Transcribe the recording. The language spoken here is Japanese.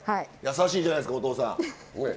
優しいじゃないですかおとうさん。